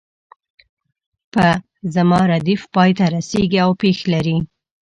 په زما ردیف پای ته رسیږي او پیښ لري.